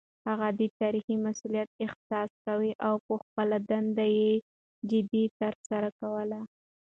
هغه د تاريخي مسووليت احساس کاوه او خپله دنده يې جدي ترسره کوله.